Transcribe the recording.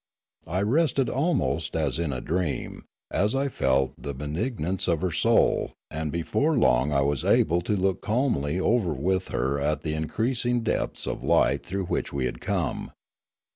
I rested almost as in a dream, as I felt the benignance of her soul; aud before long I was able to look calmly over with her at the increas ing depths of light through which we had come.